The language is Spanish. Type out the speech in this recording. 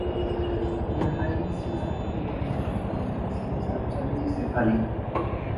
La raíz se usa tópicamente para infecciones, erupciones y cefalea.